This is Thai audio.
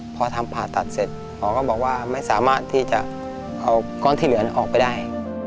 พอทำผ่าตัดเสร็จหมอก็บอกว่าไม่สามารถที่จะเอาก้อนที่เหลือออกไปได้